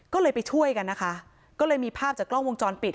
ก็เลยไปช่วยกันนะคะก็เลยมีภาพจากกล้องวงจรปิด